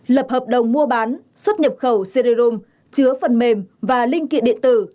lập hợp đồng mua bán xuất nhập khẩu cd rom chứa phần mềm và linh kiện điện tử